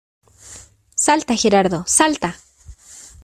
Salta, Gerardo, ¡salta!